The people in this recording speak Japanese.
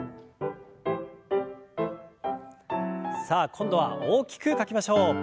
さあ今度は大きく書きましょう。